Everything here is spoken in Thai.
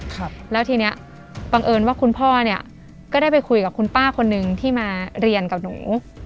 ครับแล้วทีเนี้ยบังเอิญว่าคุณพ่อเนี้ยก็ได้ไปคุยกับคุณป้าคนนึงที่มาเรียนกับหนู